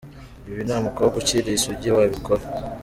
Ibi nta mukobwa ukiri isugi wabikora.